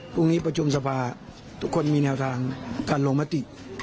พรุ่งนี้ประชุมสภาทุกคนมีแนวทางการลงมติ